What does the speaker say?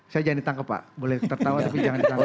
saya jangan ditangkap pak boleh tertawa tapi jangan ditangkap